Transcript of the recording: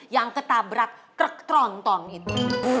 yang ketabrak truk tronton itu